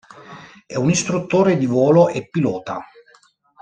È un istruttore di volo e pilota.